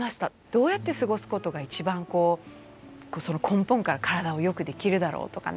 どうやって過ごすことが一番根本から体をよくできるだろうとかね。